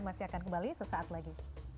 masih akan kembali sesaat lagi